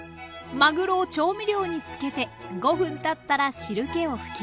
まぐろを調味料につけて５分たったら汁けを拭きます。